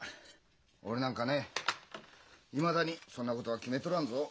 俺なんかねえいまだにそんなことは決めとらんぞ。